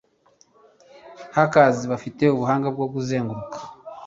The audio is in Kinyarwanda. Hackers bafite ubuhanga bwo kuzenguruka